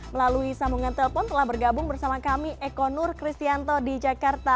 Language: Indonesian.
melalui sambungan telpon telah bergabung bersama kami eko nur kristianto di jakarta